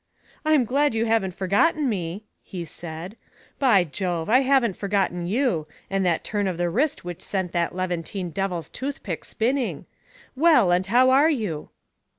"I'm glad you haven't forgotten me," he said. "By Jove! I haven't forgotten you, and that turn of the wrist which sent that Levan tine devil's toothpick spinning. Well, and how are you?"